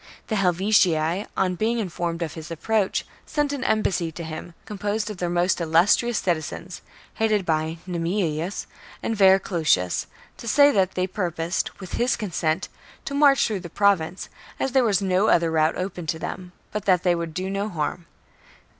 The Helvetii, on being informed of his approach, sent an embassy to him, com posed of their most illustrious citizens, headed by Nammeius and Verucloetius, to say that they purposed, with his consent, to march through the Province, as there was no other route open to them, but that they would do no harm.